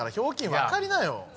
分かりなよ。